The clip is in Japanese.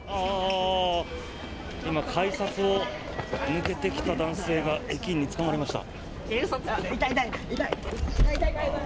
今改札を抜けてきた男性が駅員に捕まりました。